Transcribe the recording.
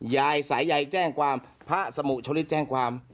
ยายสายใยแจ้งความพระสมุชลิดแจ้งความ